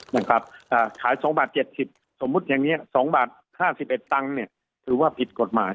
ขาย๒บาท๗๐บาทสมมุติอย่างนี้๒บาท๕๑ตังค์ถือว่าผิดกฎหมาย